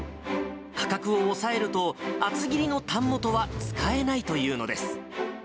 価格を抑えると、厚切りのタン元は使えないというのです。